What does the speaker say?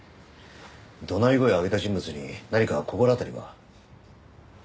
怒鳴り声を上げた人物に何か心当たりは？